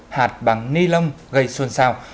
hạt bằng ni lông gây xuân sao